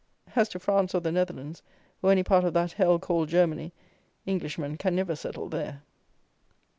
As to France or the Netherlands, or any part of that hell called Germany, Englishmen can never settle there.